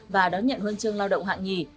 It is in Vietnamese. và đón nhận huân chương lao động hạng nhì